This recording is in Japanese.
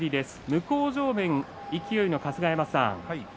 向正面は勢の春日山さんです。